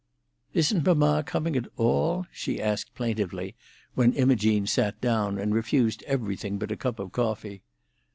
"Isn't mamma coming at all?" she asked plaintively, when Imogene sat down, and refused everything but a cup of coffee.